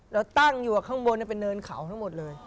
เราตั้งอยู่ข้างบนเป็นเนินเขาทั้งหมดเลย